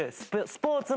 スポーツ。